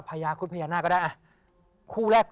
พญาครุฑิยานาก็ได้คู่แรก